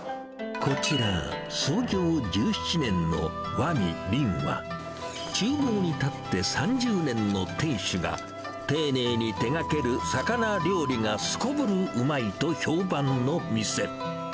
こちら、創業１７年の和味りんは、ちゅう房に立って３０年の店主が、丁寧に手がける魚料理がすこぶるうまいと評判の店。